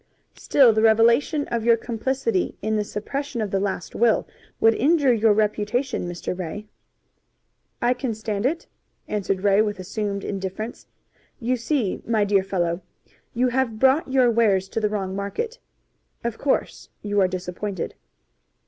"Still the revelation of your complicity in the suppression of the last will would injure your reputation, Mr. Ray." "I can stand it," answered Ray with assumed indifference. "You see, my dear fellow, you have brought your wares to the wrong market. Of course you are disappointed."